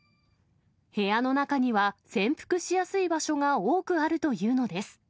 部屋の中には、潜伏しやすい場所が多くあるというのです。